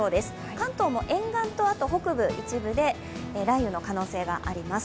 関東も沿岸と北部の一部で雷雨の可能性があります。